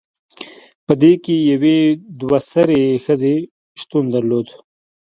پدې کې یوې دوه سرې ښځې شتون درلود